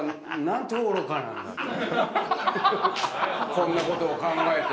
こんなことを考えて。